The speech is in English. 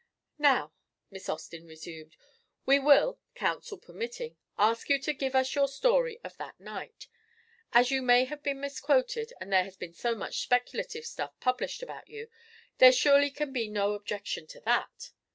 "Now," Miss Austin resumed, "we will, counsel permitting, ask you to give us your story of that night. As you have been misquoted and there has been so much speculative stuff published about you, there surely can be no objection to that."